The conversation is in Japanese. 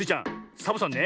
サボさんね